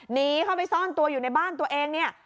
หนีเข้าไปซ่อนตัวอยู่ในบ้านตัวเองเนี่ย